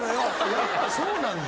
やっぱそうなんだ！